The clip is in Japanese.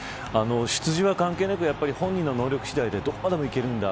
出自は関係なく本人の能力次第でどこまでもいけるんだ。